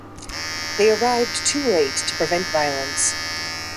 They arrived too late to prevent violence.